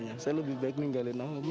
saya lebih baik meninggalin nama